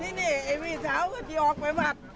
ที่นี่ไอ้มีเศร้าที่ออกไปบัด